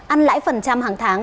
ăn lãi phần trăm hàng tháng